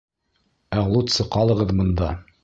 Ә лутсы ҡалығыҙ бында.